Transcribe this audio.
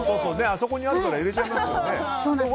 あそこにあるから入れちゃいますよね。